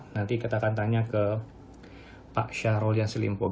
nanti kita akan tanya ke pak syahrol yasselimpo